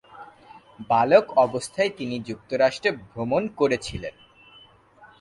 বালক অবস্থায় তিনি যুক্তরাজ্য ভ্রমণ করেছেন।